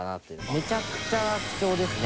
めちゃくちゃ貴重ですね。